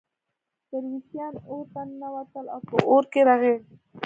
درویشان اورته ننوتل او په اور کې رغړېدل.